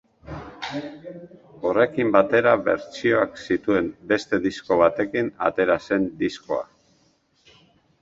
Horrekin batera bertsioak zituen beste disko batekin atera zen diskoa.